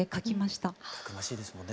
たくましいですもんね